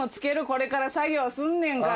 これから作業すんねんから。